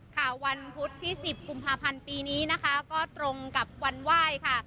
ค่ะวันพุธที่๑๐กุมภาพันธ์ปีนี้นะคะก็ตรงกับวันไหว้ค่ะ